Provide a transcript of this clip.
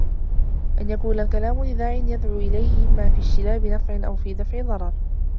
أَنْ يَكُونَ الْكَلَامُ لِدَاعٍ يَدْعُو إلَيْهِ إمَّا فِي اجْتِلَابِ نَفْعٍ أَوْ دَفْعِ ضَرَرٍ